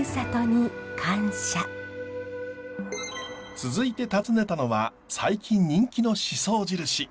続いて訪ねたのは最近人気の宍粟印。